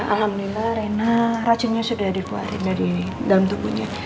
alhamdulillah rena racunnya sudah dikeluarkan dari dalam tubuhnya